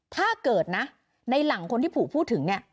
ถ้าเกิดในหลังคนที่ผู้พูดถึง